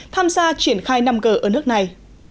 tham gia triển khai năm g ở nước này